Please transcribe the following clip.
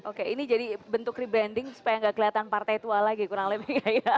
oke ini jadi bentuk rebranding supaya nggak kelihatan partai tua lagi kurang lebih